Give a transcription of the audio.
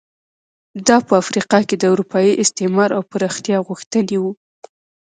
دا په افریقا کې د اروپایي استعمار او پراختیا غوښتنې وو.